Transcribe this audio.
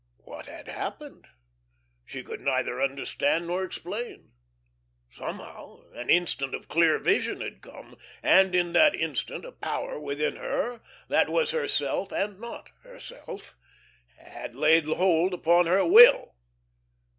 What had happened? She could neither understand nor explain. Somehow an instant of clear vision had come, and in that instant a power within her that was herself and not herself, and laid hold upon her will.